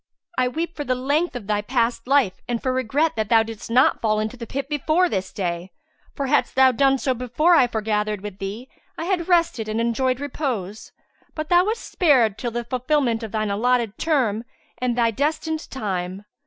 I weep for the length of thy past life and for regret that thou didst not fall into the pit before this day; for hadst thou done so before I foregathered with thee, I had rested and enjoyed repose: but thou wast spared till the fulfilment of thine allotted term and thy destined time."